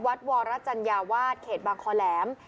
วรจัญญาวาสเขตบางคอแหลม